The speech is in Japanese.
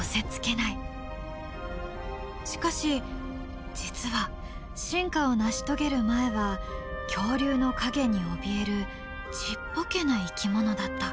しかし実は進化を成し遂げる前は恐竜の影におびえるちっぽけな生き物だった。